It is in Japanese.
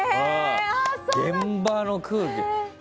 現場の空気がね。